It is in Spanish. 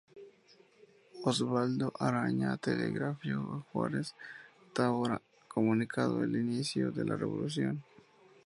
Osvaldo Aranha telegrafió a Juarez Távora comunicando el inicio de la Revolución.